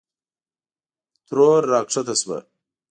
ترور راکښته شوه.